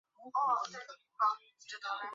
三一郡是美国德克萨斯州东部的一个县。